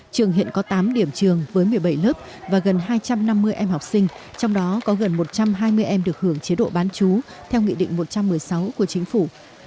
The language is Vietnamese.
trường hiện có tám điểm trường với một mươi bảy lớp và gần hai trăm năm mươi em học sinh trong đó có gần một trăm hai mươi em được hưởng chế độ bán chú theo nghị định một trăm một mươi sáu của chính phủ